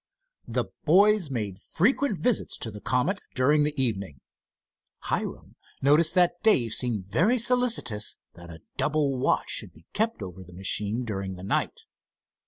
The boys made frequent visits to the Comet during the evening. Hiram noticed that Dave seemed very solicitous that a double watch should be kept over the machine during the night.